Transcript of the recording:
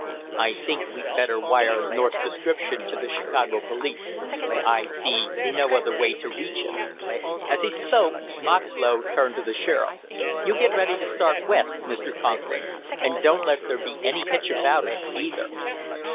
"I think we'd better wire North's description to the Chicago police; I see no other way to reach him." As he spoke, Moxlow turned to the sheriff. "You get ready to start West, Mr. Conklin. And don't let there be any hitch about it, either."